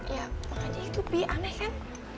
ya apa aja itu pi aneh kan